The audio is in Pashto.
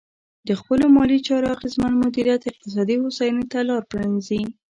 د خپلو مالي چارو اغېزمن مدیریت اقتصادي هوساینې ته لار پرانیزي.